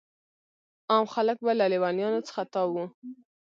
عام خلک به له لیونیانو څخه تاو وو.